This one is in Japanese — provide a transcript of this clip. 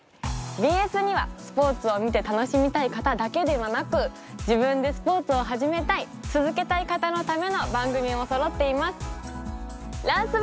ＢＳにはスポーツを見て楽しみたい方だけではなく自分でスポーツを始めたい続けたい方のための番組もそろっています。